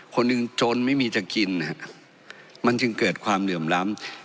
คนหนึ่งจนไม่มีจะกินนะฮะมันจึงเกิดความเหลื่อมล้ำ